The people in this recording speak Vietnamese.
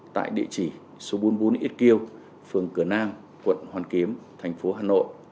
tại địa chỉ số bốn mươi bốn xq phường cửa nam quận hoàn kiếm thành phố hà nội